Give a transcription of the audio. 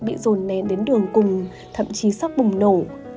bị dồn nén đến đường cùng thậm chí sắp bùng nổ